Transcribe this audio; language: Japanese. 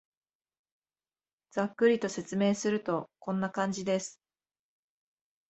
ざっくりと説明すると、こんな感じです